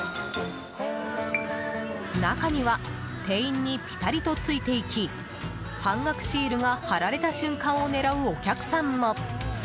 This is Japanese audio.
中には店員にピタリとついていき半額シールが貼られた瞬間を狙うお客さんも。